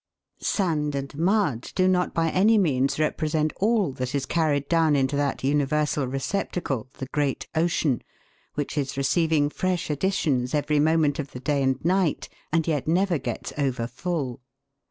SAND and mud do not by any means represent all that is carried down into that universal receptacle, the great ocean, which is receiving fresh additions every moment of the day and night, and yet never gets overfull.